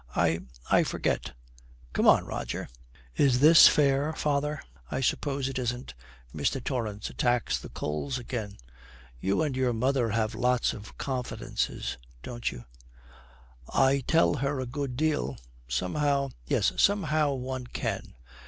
'I I forget.' 'Come on, Roger.' 'Is this fair, father?' 'No, I suppose it isn't.' Mr. Torrance attacks the coals again. 'You and your mother have lots of confidences, haven't you?' 'I tell her a good deal. Somehow ' 'Yes, somehow one can.'